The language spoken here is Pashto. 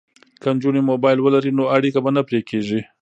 که نجونې موبایل ولري نو اړیکه به نه پرې کیږي.